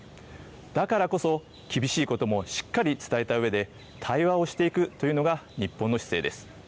だからこそ、厳しいこともしっかり伝えたうえで、対話をしていくというのが日本の姿勢です。